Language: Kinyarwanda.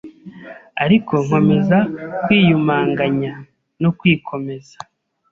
ariko nkomeza kwiyumanganya no kwikomeza!